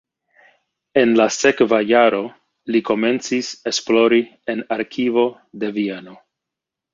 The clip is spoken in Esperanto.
En la sekva jaro li komencis esplori en arkivo de Vieno.